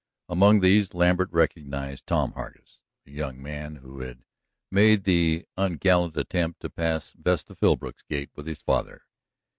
Among these Lambert recognized Tom Hargus, the young man who had made the ungallant attempt to pass Vesta Philbrook's gate with his father.